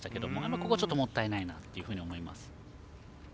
ここ、ちょっともったいないなと思います。